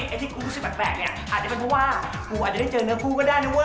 ไอดูหากุ้ย